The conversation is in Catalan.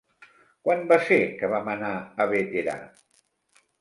Quan va ser que vam anar a Bétera?